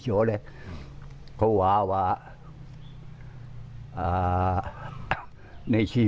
วิทยาลัยศาสตรี